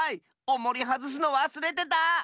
おもりはずすのわすれてた！